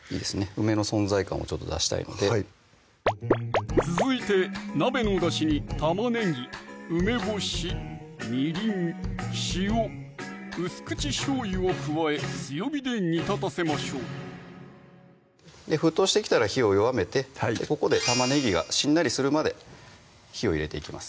梅の存在感を出したいのではい続いて鍋のだしに玉ねぎ・梅干し・みりん・塩・薄口しょうゆを加え強火で煮立たせましょう沸騰してきたら火を弱めてはいここで玉ねぎがしんなりするまで火を入れていきます